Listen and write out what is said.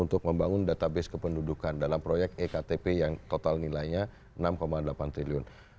untuk membangun database kependudukan dalam proyek ektp yang total nilainya enam delapan triliun